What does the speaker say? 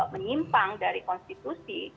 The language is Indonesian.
menyimpang dari konstitusi